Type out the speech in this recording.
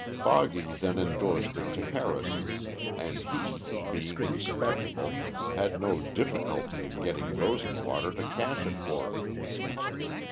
Foggy then indorsed it to Harrison, and he, being respectable, had no difficulty in getting Rosenwater to cash it for him.